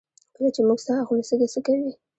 کله چې موږ ساه اخلو سږي څه کوي